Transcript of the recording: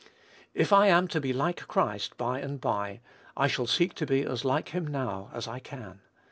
If I am to be like Christ by and by, I shall seek to be as like him now as I can.